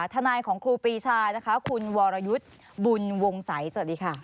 ทนายของครูปีชานะคะคุณวรยุทธ์บุญวงศัยสวัสดีค่ะ